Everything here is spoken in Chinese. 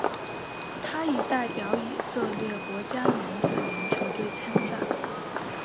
他也代表以色列国家男子篮球队参赛。